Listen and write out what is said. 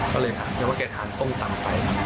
ก็เลยถามยังว่าแกทานส้มตำไป